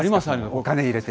お金入れて。